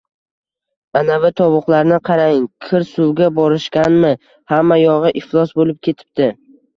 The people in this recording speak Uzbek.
Anavi tovuqlarni qarang, kir suvga borishganmi, hamma yog`i iflos bo`lib ketibdi